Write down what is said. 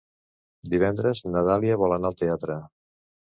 Divendres na Dàlia vol anar al teatre.